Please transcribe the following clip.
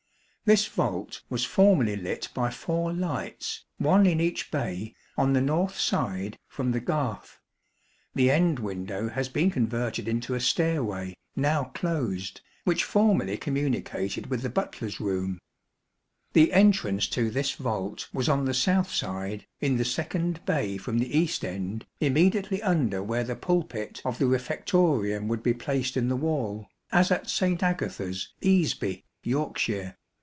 This vault was formerly lit by four lights, one in each bay, on the north side, from the garth. The end window has been converted into a stairway, now closed, which formerly communicated with the butler's room. The entrance to this vault was on the south side, in the second bay from the east end, immediately under where the pulpit of the refectorium would be placed in the wall, as at St. Agatha's, Easby, Yorkshire.